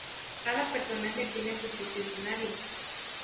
Cada personaje tiene su propio escenario.